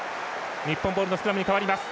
日本ボールのスクラムに変わります。